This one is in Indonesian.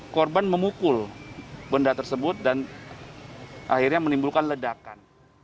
korban memukul benda tersebut dan akhirnya menimbulkan ledakan